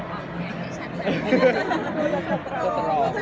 ข้านั่งหูธ